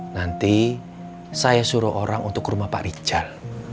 nanti saya suruh orang untuk ke rumah pak richard